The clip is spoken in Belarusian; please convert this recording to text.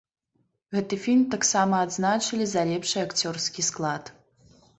Гэты фільм таксама адзначылі за лепшы акцёрскі склад.